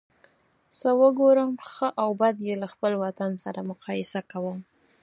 څه وګورم ښه او بد یې له خپل وطن سره مقایسه کوم.